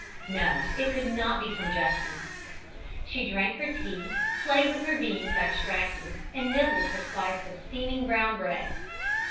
No, it could not be from Justin. She drank her tea, played with her beans abstractedly, and nibbled her slice of steaming brown bread.